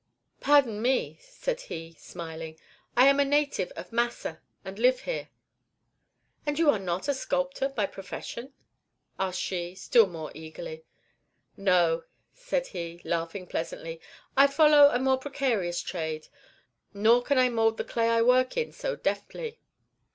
"Pardon me," said he, smiling; "I am a native of Massa, and live here." "And are you not a sculptor by profession?" asked she, still more eagerly. "No," said he, laughing pleasantly; "I follow a more precarious trade, nor can I mould the clay I work in so deftly."